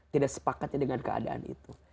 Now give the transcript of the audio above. tidak sepakatnya dengan keadaan itu